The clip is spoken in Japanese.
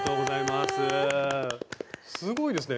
すごいですね。